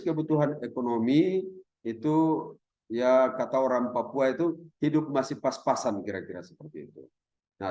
kebutuhan ekonomi itu ya kata orang papua itu hidup masih pas pasan kira kira seperti itu nah